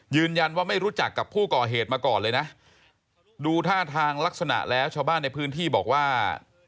ยืนยันว่าไม่รู้จักกับผู้ก่อเหตุมาก่อนเลยนะดูท่าทางลักษณะแล้วชาวบ้านในพื้นที่บอกว่า